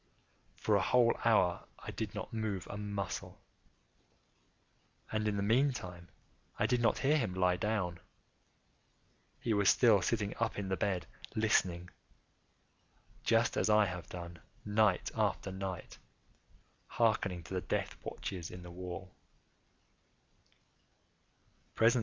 For a whole hour I did not move a muscle, and in the meantime I did not hear him lie down. He was still sitting up in the bed listening;—just as I have done, night after night, hearkening to the death watches in the wall.